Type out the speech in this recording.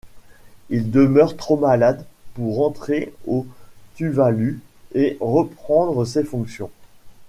Il demeure trop malade pour rentrer aux Tuvalu et reprendre ses fonctions.